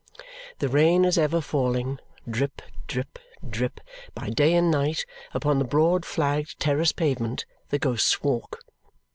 The rain is ever falling drip, drip, drip by day and night upon the broad flagged terrace pavement, the Ghost's Walk.